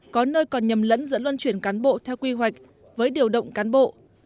có nơi còn nhầm lẫn dẫn loan chuyển cán bộ theo quy hoạch với điều động cán bộ